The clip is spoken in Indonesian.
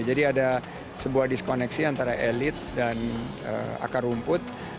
jadi ada sebuah diskoneksi antara elit dan akar rumput